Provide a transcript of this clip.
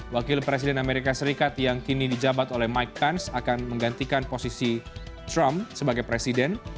wakil presiden amerika serikat yang kini dijabat oleh mike pence akan menggantikan posisi trump sebagai presiden